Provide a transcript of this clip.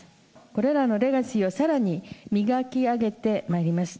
これらのレガシーをさらに磨き上げてまいります。